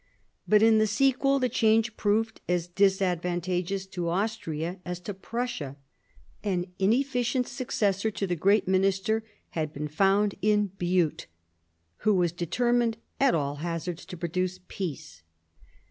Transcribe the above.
But in the sequel the change proved as disadvantageous to Austria as to Prussia. An inefficient successor to the great minister had been found in Bute, who was de termined at all hazards to produce peace.